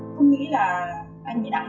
không nghĩ là anh mới nặng đâu